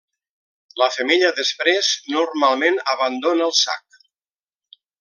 La femella, després, normalment abandona el sac.